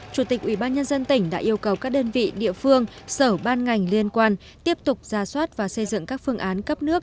chủ tịch ubnd tỉnh đã yêu cầu các đơn vị địa phương sở ban ngành liên quan tiếp tục ra soát và xây dựng các phương án cấp nước